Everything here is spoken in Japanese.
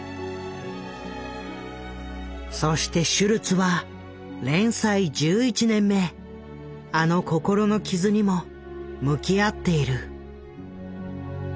そしてシュルツは連載１１年目あの心の傷にも向き合っている。